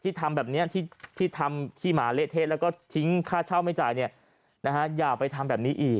สงสารคุณลุง